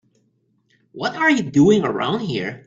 What are you doing around here?